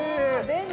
◆便利。